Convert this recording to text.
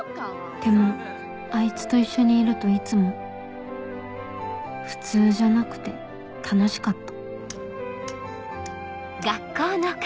でもあいつと一緒にいるといつも普通じゃなくて楽しかった